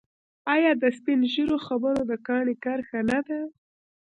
آیا د سپین ږیرو خبره د کاڼي کرښه نه ده؟